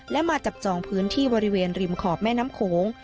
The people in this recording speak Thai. และมาจับจองพื้นที่บริเวณริมขอบแม่น้ำโขง